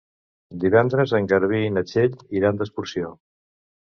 Divendres en Garbí i na Txell iran d'excursió.